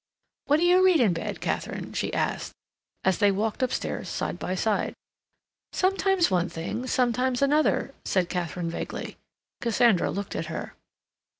"What do you read in bed, Katharine?" she asked, as they walked upstairs side by side. "Sometimes one thing—sometimes another," said Katharine vaguely. Cassandra looked at her.